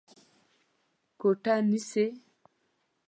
کوټه نيسې؟